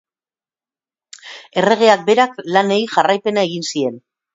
Erregeak berak lanei jarraipena egin zien.